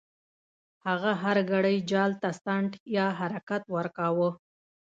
هغه هر ګړی جال ته څنډ یا حرکت ورکاوه.